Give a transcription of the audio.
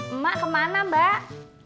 emak kemana mbak